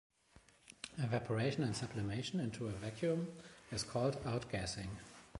Evaporation and sublimation into a vacuum is called outgassing.